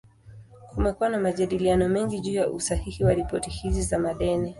Kumekuwa na majadiliano mengi juu ya usahihi wa ripoti hizi za madeni.